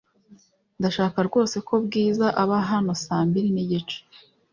Ndashaka rwose ko Bwiza aba hano saa mbiri nigice .